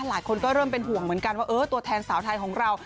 หลายคนก็เริ่มเป็นห่วงเหมือนกันว่าตัวแทนสาวไทยของเรา